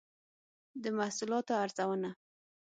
د محصولاتو ارزونه